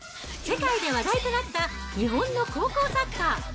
世界で話題となった日本の高校サッカー。